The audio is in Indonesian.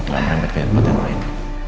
gak merempet kayak tempat yang lain